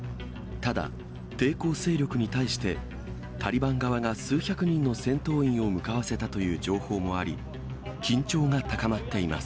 ただ、抵抗勢力に対して、タリバン側が数百人の戦闘員を向かわせたという情報もあり、緊張が高まっています。